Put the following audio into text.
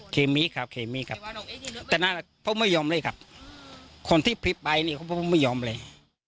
เคมีครับแต่นั่นเขาไม่ยอมเลยครับคนที่ผิดไปเขาไม่ยอมเลย